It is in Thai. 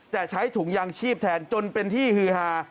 แต่ใช้ถุงยางชีพแทนจนเป็นที่ฮือฮา